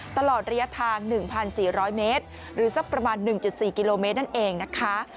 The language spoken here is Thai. ตลอดระยะทาง๑๔๐๐เมตรหรือสักประมาณ๑๔กิโลเมตรนั่นเองนะคะ